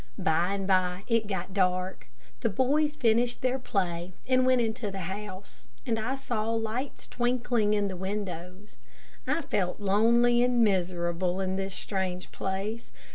By and by it got dark. The boys finished their play, and went into the house, and I saw lights twinkling in the windows. I felt lonely and miserable in this strange place.